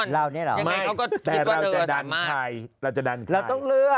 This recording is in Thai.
เราจะดันใครเราต้องเลือก